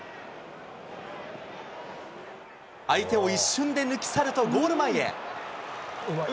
相手を一瞬で抜き去るとゴール前へ。